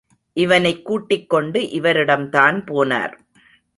இவனைக் கூட்டிக் கொண்டு இவரிடம்தான் போனார்.